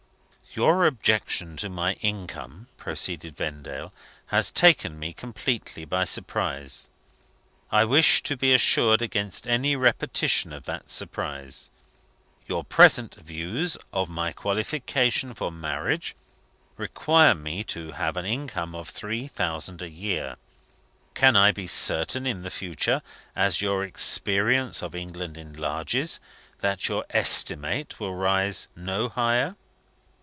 "Your objection to my income," proceeded Vendale, "has taken me completely by surprise. I wish to be assured against any repetition of that surprise. Your present views of my qualification for marriage require me to have an income of three thousand a year. Can I be certain, in the future, as your experience of England enlarges, that your estimate will rise no higher?"